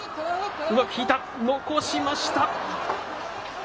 うまく引いた、残しました。